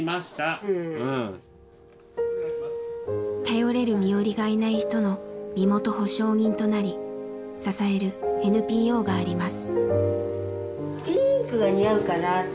頼れる身寄りがいない人の身元保証人となり支えるＮＰＯがあります。